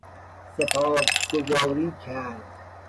سپاسگزاری کرد